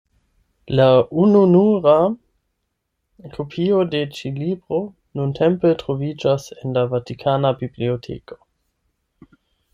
La ununura kopio de ĉi libro nuntempe troviĝas en la Vatikana Biblioteko.